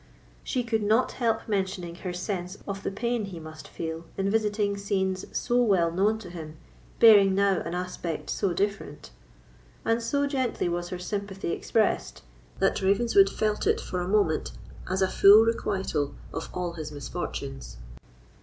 She could not help mentioning her sense of the pain he must feel in visiting scenes so well known to him, bearing now an aspect so different; and so gently was her sympathy expressed, that Ravenswood felt it for a moment as a full requital of all his misfortunes.